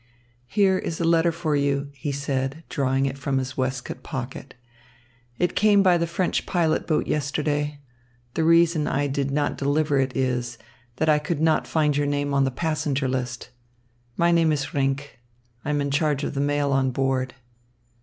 "Here is a letter for you," he said, drawing it from his waistcoat pocket. "It came by the French pilot boat yesterday. The reason I did not deliver it is, that I could not find your name on the passenger list. My name is Rinck. I am in charge of the mail on board."